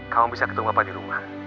kamu bisa ketemu bapak di rumah